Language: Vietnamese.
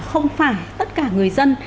không phải tất cả người dân